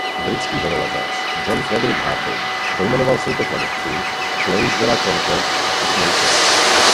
Britský horolezec John Frederick Hardy pojmenoval soutok ledovců Place de la Concorde of Nature.